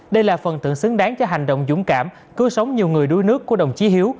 đây là phần tượng xứng đáng cho hành động dũng cảm cứu sống nhiều người đuối nước của đồng chí hiếu